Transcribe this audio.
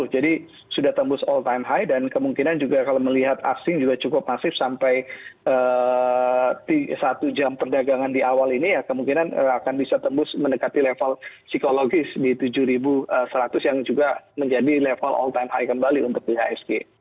jadi sudah tembus all time high dan kemungkinan juga kalau melihat aksi juga cukup masif sampai satu jam perdagangan di awal ini ya kemungkinan akan bisa tembus mendekati level psikologis di tujuh ribu seratus yang juga menjadi level all time high kembali untuk ihsg